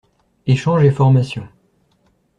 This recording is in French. Échange et formation.